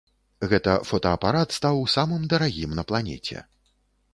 Гэта фотаапарат стаў самым дарагім на планеце.